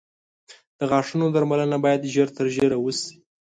• د غاښونو درملنه باید ژر تر ژره وشي.